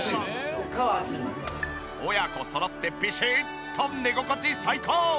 親子そろってピシッと寝心地最高！